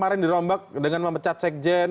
kemarin dirombak dengan memecat sekjen